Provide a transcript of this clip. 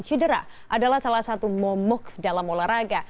cedera adalah salah satu momok dalam olahraga